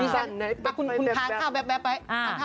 พี่แจ็คพาเข้าแวบแวบไป